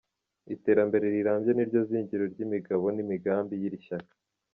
Iterambere rirambye niryo zingiro ry’imigabo n’imigambi y’iri shyaka.